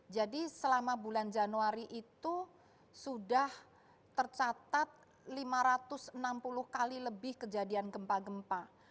jadi selama bulan januari itu sudah tercatat lima ratus enam puluh kali lebih kejadian gempa gempa